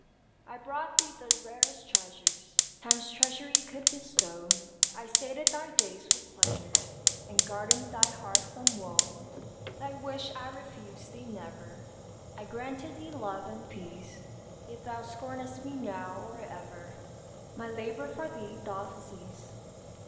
"I brought thee the rarest treasures Time's treasury could bestow; I sated thy days with pleasures, And guarded thy heart from woe. "Thy wish I refused thee never. I granted thee love and peace; Yet thou scornest me now, or ever My labor for thee doth cease.